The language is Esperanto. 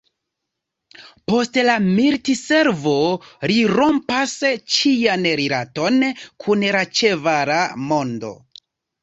Post la militservo li rompas ĉian rilaton kun la ĉevala mondo.